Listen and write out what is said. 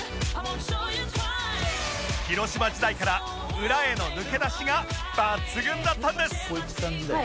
広島時代から裏への抜け出しが抜群だったんです